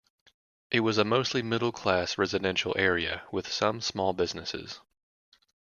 It was a mostly middle-class residential area, with some small businesses.